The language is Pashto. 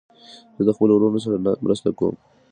زه د خپلو وروڼو سره مرسته کوم.